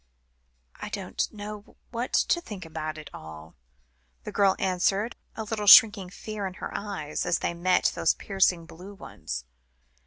"I don't know what to think about it all," the girl answered, a little shrinking fear in her eyes, as they met those piercing blue ones.